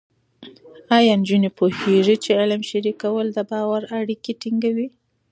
ایا نجونې پوهېږي چې علم شریکول د باور اړیکې ټینګوي؟